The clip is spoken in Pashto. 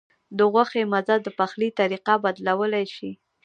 د غوښې مزه د پخلي طریقه بدلولی شي.